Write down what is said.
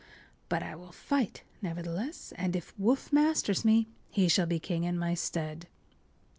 But I will fight, nevertheless, and if Woof masters me he shall be king in my stead.